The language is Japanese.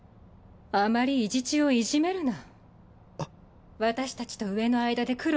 あまり伊地知をいじめるな。